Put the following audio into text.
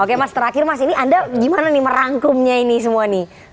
oke mas terakhir mas ini anda gimana nih merangkumnya ini semua nih